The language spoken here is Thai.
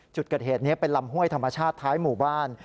จุดเกิดเหตุนี้เป็นลำห้วยธรรมชาติท้ายหมู่บ้าน